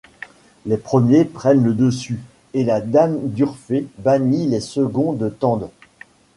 Les premiers prennent le dessus et la dame d'Urfé bannie les seconds de Tende.